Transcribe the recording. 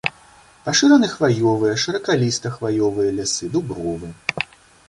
Пашыраны хваёвыя, шыракаліста-хваёвыя лясы, дубровы.